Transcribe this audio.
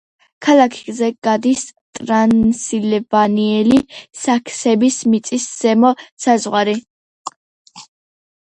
ქალაქზე გადის ტრანსილვანიელი საქსების მიწის ზემო საზღვარი.